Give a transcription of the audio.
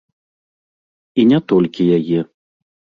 І не толькі яе.